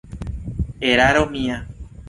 Eraro mia!